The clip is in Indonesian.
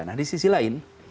nah di sisi lain